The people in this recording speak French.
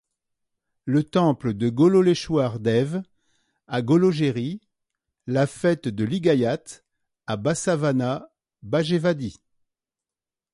Le temple de Gollaleshouar Dev à Golageri, la fête de Ligayat à Basavana Bagevadi.